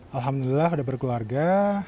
alhamdulillah udah berkeluarga